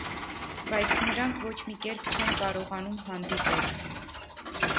Բայց նրանք ոչ մի կերպ չեն կարողանում հանդիպել։